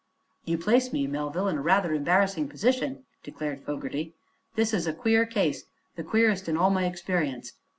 "You place me, Melville, in a rather embarrassing position," declared Fogerty. "This is a queer case the queerest in all my experience.